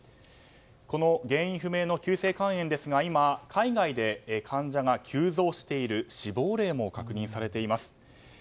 この原因不明の急性肝炎ですが今、海外で患者が急増している死亡例も確認されています。